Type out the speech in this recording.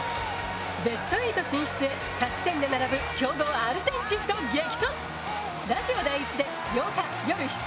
ベスト８進出へ、勝ち点で並ぶ強豪アルゼンチンと激突！